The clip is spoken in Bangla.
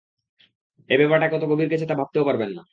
এ ব্যাপারটা কত গভীরে গেছে তা ভাবতেও পারবেন না।